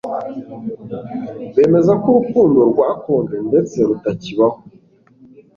bemeza ko urukundo rwakonje ndetse rutakibaho